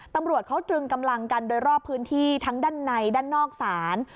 ตำรวจเขาตรึงกำลังกันโดยรอบพื้นที่ทั้งด้านในด้านนอกศาล